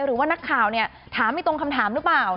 หรือว่านักข่าวเนี่ยถามไม่ตรงคำถามหรือเปล่า